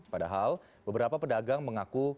padahal beberapa pedagang mengaku